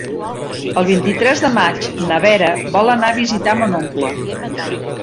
El vint-i-tres de maig na Vera vol anar a visitar mon oncle.